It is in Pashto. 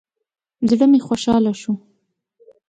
زړه مې خوشاله شو.